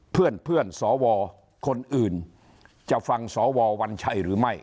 เพื่อนสวคนอื่นจะฟังสววัญชัยหรือไม่